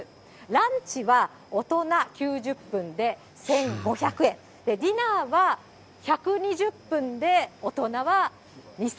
ランチは大人９０分で、１５００円、ディナーは１２０分で大人は２５００円。